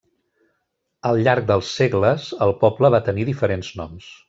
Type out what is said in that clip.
Al llarg dels segles el poble va tenir diferents noms.